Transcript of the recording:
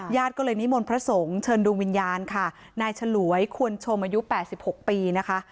ญาติก็เลยนิมนต์พระสงฆ์เชิญดวงวิญญาณค่ะนายฉลวยควรชมอายุ๘๖ปีนะคะ